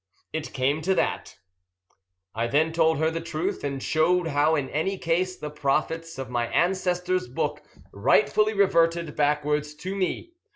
"It came to that." I then told her the truth, and showed how in any case the profits of my ancestor's book rightfully reverted backwards to me.